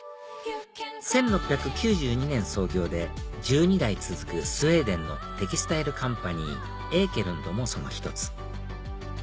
１６９２年創業で１２代続くスウェーデンのテキスタイルカンパニーエーケルンドもその１つ